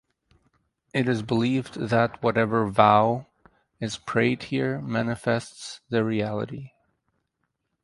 It is believed that whatever vow is prayed here manifests the reality.